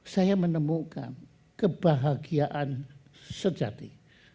saya menemukan kebahagiaan sejati